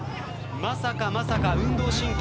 まさかまさか運動神経